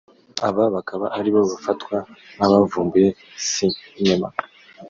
aba bakaba aribo bafatwa nk’abavumbuye sinema